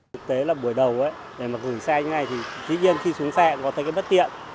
thực tế là buổi đầu để mà dùng xe như thế này thì dĩ nhiên khi xuống xe có thấy cái bất tiện